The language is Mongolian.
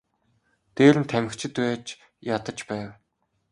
Дээр нь тамхичид байж ядаж байв.